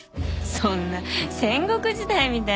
そんな戦国時代みたいなこと。